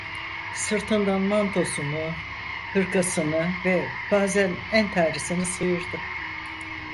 Sırtından mantosunu, hırkasını ve pazen entarisini sıyırdı.